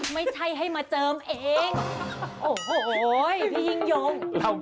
ไม่ใช่ให้มาเจิมเองโอ้โหพี่ยิ่งยง